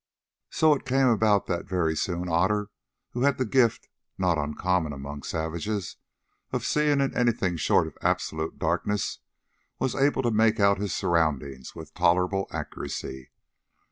So it came about that very soon Otter, who had the gift, not uncommon among savages, of seeing in anything short of absolute darkness, was able to make out his surroundings with tolerable accuracy.